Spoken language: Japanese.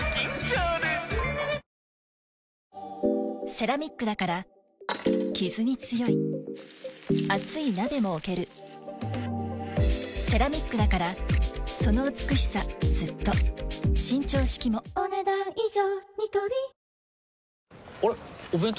セラミックだからキズに強い熱い鍋も置けるセラミックだからその美しさずっと伸長式もお、ねだん以上。